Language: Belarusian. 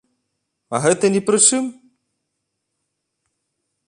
А гэты не пры чым?